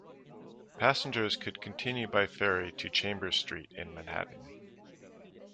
Passengers could continue by ferry to Chambers St in Manhattan.